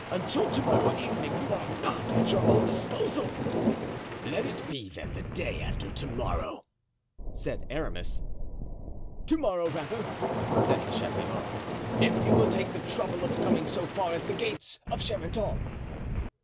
Until to morrow evening you are not at your own disposal." "Let it be then the day after to morrow," said Aramis. "To morrow, rather," said De Chatillon, "if you will take the trouble of coming so far as the gates of Charenton."